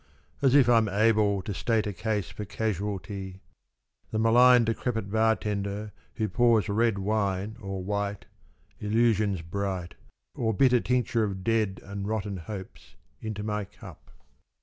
" As if I'm able To state a case for Casualty !— The malign decrepit bar tender who pours Red wine or white, Illusions bright, Or bitter tincture of dead and rotten hopes Into my cup.